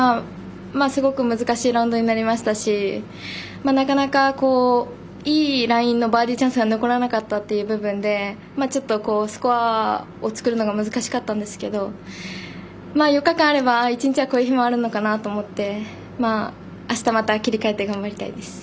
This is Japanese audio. すごく難しいラウンドになりましたしなかなか、いいラインのバーディーチャンスが残らなかったという部分でちょっとスコアを作るのが難しかったんですけど４日間あれば、１日はこういう日もあるのかなと思ってあしたまた切り替えて頑張りたいです。